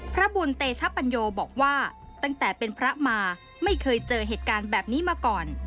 พระบุญเตชปัญโยบอกว่าตั้งแต่เป็นพระมาไม่เคยเจอเหตุการณ์แบบนี้มาก่อน